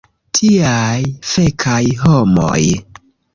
Tiaj fekaj homoj!